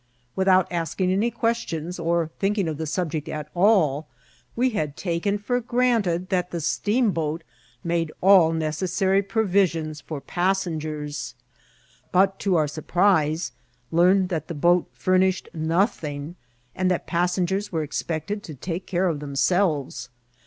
Without asking any questions, or thinking of the subject at all, we had taken for granted that the steamboat made all necessary provisions for passen gers ; but, to our surprise, learned that the boat fur nished nothing, and that passengers were expected to take care of themselves.